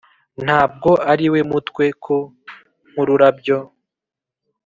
ntabwo ari we mutwe ko, nkururabyo,